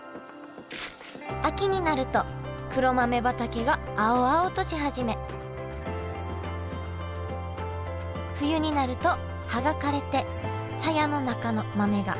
秋になると黒豆畑が青々とし始め冬になると葉が枯れてさやの中の豆が黒く熟します。